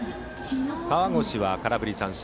河越は空振り三振。